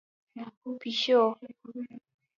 🐈 پېشو